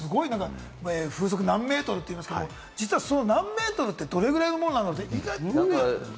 風速何メートルとかよく言いますけれども、実はその何メートルって、どれぐらいのものなのってね。